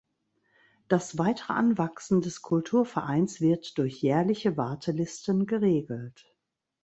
Das weitere Anwachsen des Kulturvereins wird durch jährliche Wartelisten geregelt.